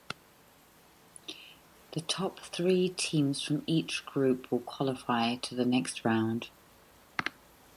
The top three teams from each group will qualify to the next round.